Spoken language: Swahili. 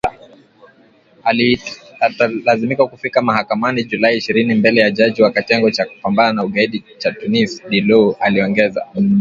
Atalazimika kufika mahakamani Julai ishirini mbele ya jaji wa kitengo cha kupambana na ugaidi cha Tunis, Dilou aliongeza